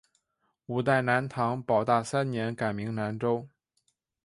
五代南唐保大三年改名南州。